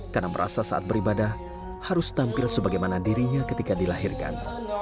karena merasa saat beribadah harus tampil sebagaimana dirinya ketika dilahirkan